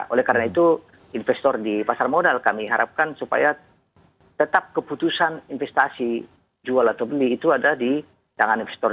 oleh karena itu investor di pasar modal kami harapkan supaya tetap keputusan investasi jual atau beli itu ada di tangan investor